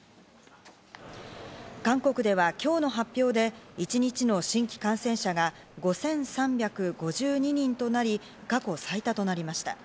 韓国では今日の発表で、一日の新規感染者が５３５２人となり、過去最多となりました。